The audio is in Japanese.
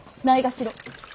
ないがしろ。